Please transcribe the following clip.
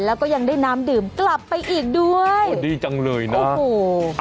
แล้วก็ยังได้น้ำดื่มกลับไปอีกด้วยโอ้ดีจังเลยนะโอ้โห